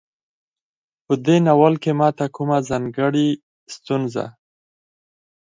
په دې ناول کې ماته کومه ځانګړۍ ستونزه